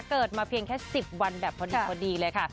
เกิดมาเพียงแค่๑๐วันแบบพอดีเลยค่ะ